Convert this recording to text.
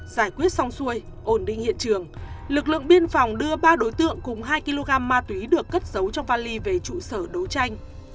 giải quyết xong xuôi ổn định hiện trường lực lượng biên phòng đưa ba đối tượng cùng hai kg ma túy được cất giấu trong vali về trụ sở đấu tranh